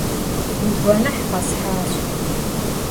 - Уи гуэныхь къэсхьащ.